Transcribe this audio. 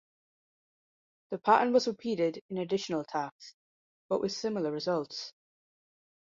The pattern was repeated in additional attacks, but with similar results.